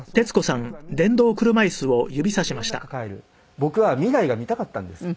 僕は未来が見たかったんです。